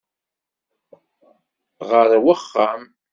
Ɣeṛ ar wexxam!